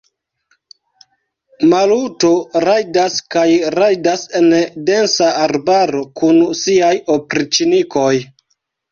Maluto rajdas kaj rajdas en densa arbaro kun siaj opriĉnikoj.